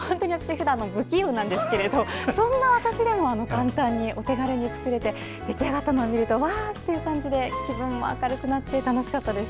ふだん不器用なんですがそんな私でも簡単にお手軽に作れて出来上がったのを見るとわー！という感じで気分も明るくなって楽しかったです。